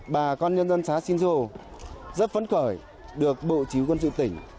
bà con nhân dân xá xin rô rất phấn khởi được bộ chỉ huy quân sự tỉnh